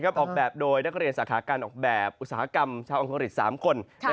เป็นการออกแบบอุตสาหกรรมชาวอังกฤษ๓คน